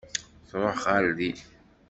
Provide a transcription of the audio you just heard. Tṛuḥ ɣer din.